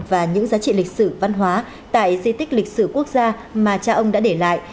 và những giá trị lịch sử văn hóa tại di tích lịch sử quốc gia mà cha ông đã để lại